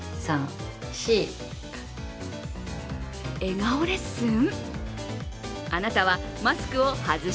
笑顔レッスン？